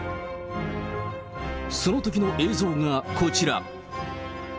そのときの映像がこちら。